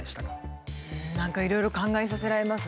何かいろいろ考えさせられますね。